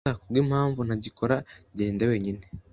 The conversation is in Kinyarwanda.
Niba kubwimpamvu ntagikora, genda wenyine.